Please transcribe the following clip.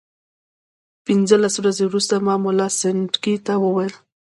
پنځلس ورځې وروسته ما ملا سنډکي ته وویل.